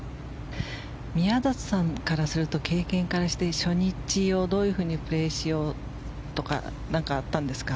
宮里さんからすると経験からして初日をどういうふうにプレーしようとかあったんですか？